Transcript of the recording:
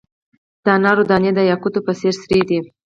د انارو دانې د یاقوتو په څیر سرې دي.